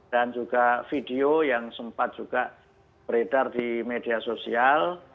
dan juga video yang sempat juga beredar di media sosial